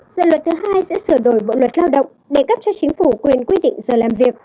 dự luật thứ hai sẽ sửa đổi bộ luật lao động để cấp cho chính phủ quyền quyết định giờ làm việc